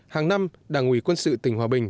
hàng năm đảng ủy quân sự tỉnh hòa bình